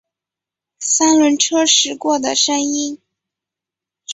三轮车驶过的声音